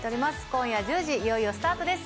今夜１０時、いよいよスタートです。